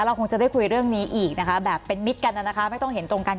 คงจะได้คุยเรื่องนี้อีกนะคะแบบเป็นมิตรกันนะคะไม่ต้องเห็นตรงกัน